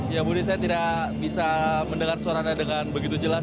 ya budi saya tidak bisa mendengar suara anda dengan begitu jelas